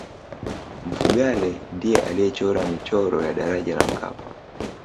mfugale ndiye aliyechora michoro ya daraja la mkapa